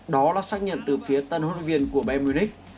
đó là xác nhận từ phía tân huấn luyện viên của bayern munich